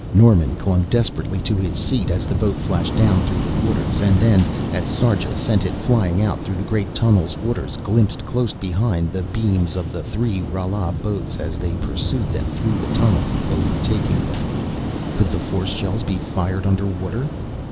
Norman clung desperately to his seat as the boat flashed down through the waters, and then, as Sarja sent it flying out through the great tunnel's waters, glimpsed, close behind, the beams of the three Rala boats as they pursued them through the tunnel, overtaking them. Could the force shells be fired under water?